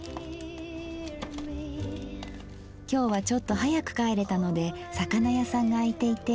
今日はちょっと早く帰れたので魚屋さんが開いていて。